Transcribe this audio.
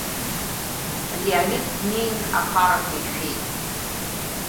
Леонид днеин, аԥарақәа ишәеит.